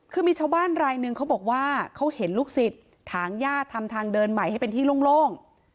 คือมีชาวบ้านรายหนึ่งเขาบอกว่าเขาเห็นลูกศิษย์ถางญาติทำทางเดินใหม่ให้เป็นที่โล่ง